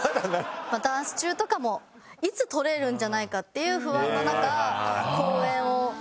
ダンス中とかもいつ取れるんじゃないかっていう不安の中公演を。